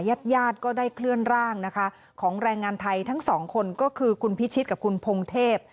ญาติญาติก็ได้เคลื่อนร่างนะคะของแรงงานไทยทั้งสองคนก็คือคุณพิชิตกับคุณพงเทพ